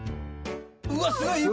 うわっすごい。